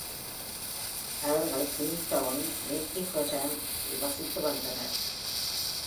அவர்கள் Killintown, Multyfrnham இல் வசித்து வந்தனர்.